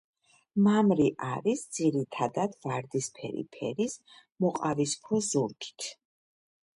მამრი არის ძირითადად ვარდისფერი ფერის, მოყავისფრო ზურგით.